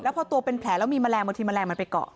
พอตัวเป็นแผลแล้วมีแมลงบางทีแมลงมันไปเกาะ